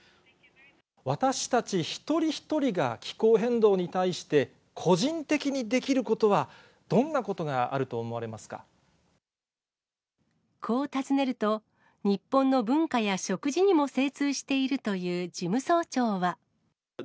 私たち一人一人が気候変動に対して、個人的にできることは、こう尋ねると、日本の文化や食事にも精通しているという事務総長は。